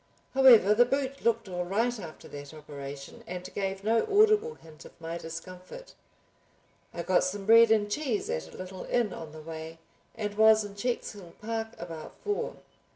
However, the boot looked all right after that operation and gave no audible hint of my discomfort. I got some bread and cheese at a little inn on the way, and was in Checkshill park about four.